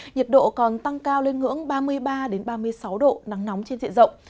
nhiệt độ còn tăng cao lên ngưỡng ba mươi ba ba mươi sáu độ nắng nóng trên diện rộng